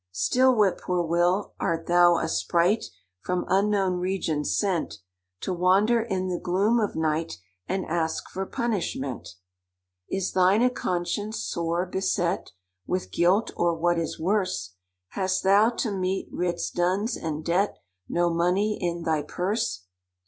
"Still 'whip poor will!'—Art thou a sprite, From unknown regions sent To wander in the gloom of night, And ask for punishment? "Is thine a conscience sore beset With guilt—or, what is worse, Hast thou to meet writs, duns, and debt— No money in thy purse?